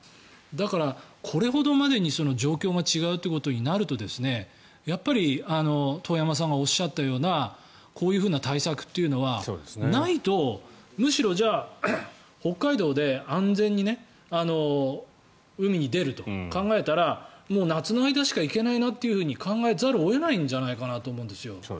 だから、これほどまでに状況が違うということになるとやっぱり遠山さんがおっしゃったようなこういうふうな対策というのはないとむしろ、じゃあ北海道で安全に海に出ると考えたらもう夏の間しか行けないなと考えざるを得ないんじゃないかと思うんですよ。